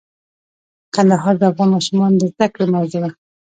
کندهار د افغان ماشومانو د زده کړې موضوع ده.